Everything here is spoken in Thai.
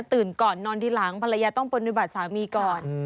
ตื่นก่อนนอนทีหลังภรรยาต้องปนวิบัติสามีก่อน